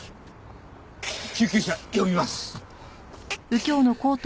救急車呼びます。